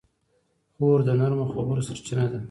خور د نرمو خبرو سرچینه ده.